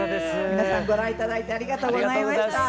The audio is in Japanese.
皆さんご覧頂いてありがとうございました。